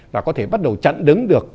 là có thể bắt đầu chặn đứng được